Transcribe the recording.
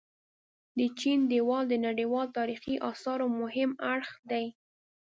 د چين ديوال د نړيوال تاريخي اثارو مهم اړخ دي.